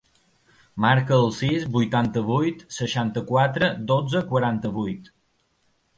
Marca el sis, vuitanta-vuit, seixanta-quatre, dotze, quaranta-vuit.